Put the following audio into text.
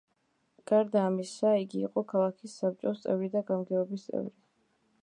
გარდა ამისა იგი იყო ქალაქის საბჭოს წევრი და გამგეობის წევრი.